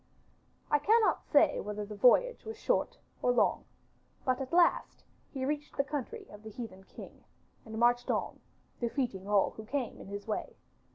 I cannot say whether the voyage was short or long; but at last he reached the country of the heathen king and marched on, defeating all who came in his way.